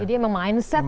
jadi emang mindset lah ya